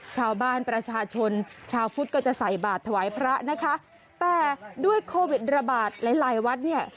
ชาวบ้านประชาชนชาวพุทธก็จะใส่บาทถวายพระนะคะแต่ด้วยโควิดระบาดหลายหลายวัดเนี่ย